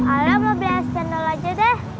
alam lo biar si cendol aja deh